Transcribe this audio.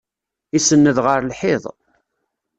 Isenned ɣer lḥiḍ.